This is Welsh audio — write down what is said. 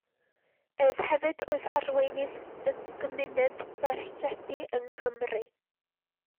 Ef hefyd oedd arweinydd y gymuned ddarlledu yng Nghymru.